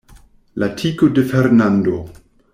La tiko de Fernando!